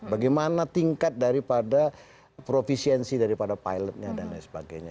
bagaimana tingkat dari pada profisiensi dari pada pilotnya dan lain sebagainya